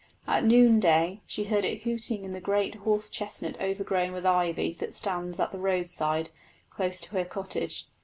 At noonday she heard it hooting in the great horse chestnut overgrown with ivy that stands at the roadside, close to her cottage.